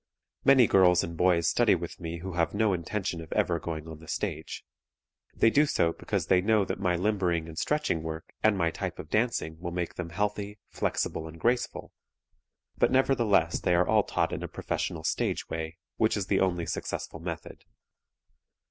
Many girls and boys study with me who have no intention of ever going on the stage. They do so because they know that my limbering and stretching work and my type of dancing will make them healthy, flexible and graceful, but nevertheless they are all taught in a professional stage way, which is the only successful method.